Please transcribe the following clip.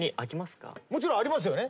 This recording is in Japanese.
もちろんありますよね？